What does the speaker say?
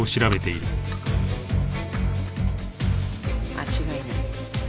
間違いない。